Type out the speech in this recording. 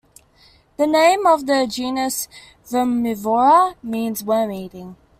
The name of the genus "Vermivora" means "worm-eating".